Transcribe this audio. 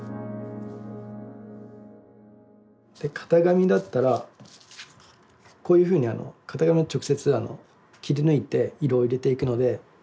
型紙だったらこういうふうに型紙を直接切り抜いて色を入れていくので。